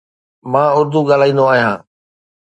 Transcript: مان اردو ڳالهائيندو آهيان.